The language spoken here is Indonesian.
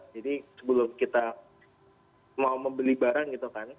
jadi sebelum kita mau membeli barang gitu kan